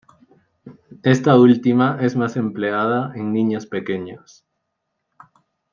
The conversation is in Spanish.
Esta última es más empleada en niños pequeños.